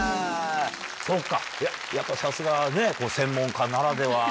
そっかやっぱさすがね専門家ならでは。